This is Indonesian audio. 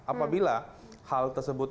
apabila hal tersebut